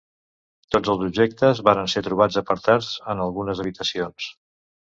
Tots els objectes varen ser trobats apartats en algunes habitacions.